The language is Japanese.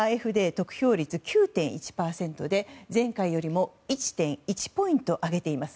得票率は９．１％で前回よりも１．１ポイント上げています。